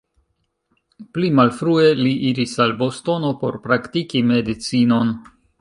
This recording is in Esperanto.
Pli malfrue li iris al Bostono por praktiki medicinon.